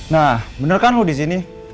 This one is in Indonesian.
nah bener kan lo disini